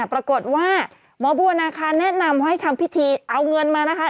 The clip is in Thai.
ปรากฏว่าหมอบัวนาคารแนะนำให้ทำพิธีเอาเงินมานะคะ